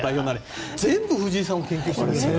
全部、藤井さんを研究してるじゃない。